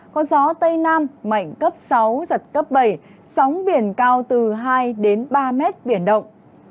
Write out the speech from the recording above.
có gió tây nam mạnh cấp sáu giật cấp bảy sóng biển cao từ hai ba mét biển động